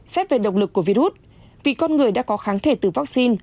xét về động lực của virus vì con người đã có kháng thể từ vaccine